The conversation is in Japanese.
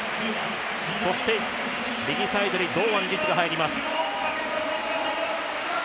そして右サイドに堂安律が入ります。